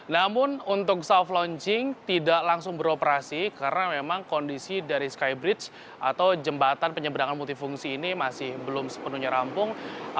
namun untuk soft launching tidak langsung beroperasi karena memang kondisi dari skybridge atau jembatan penyeberangan multifungsi ini masih belum sepenuhnya rampung